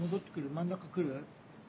真ん中来る？